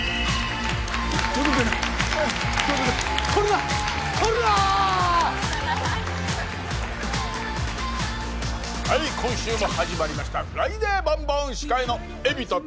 はい今週も始まりました「フライデーボンボン」司会の海老田